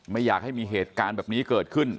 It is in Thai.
ไม่อยากให้มีเหตุการณ์แบบนี้เกิดขึ้น